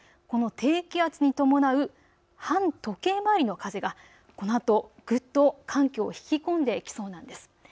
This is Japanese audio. この低気圧に伴う反時計回りの風がこのあとぐっと寒気を引き込んできそうなんです。